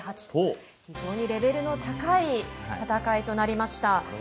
非常にレベルの高い戦いとなりました。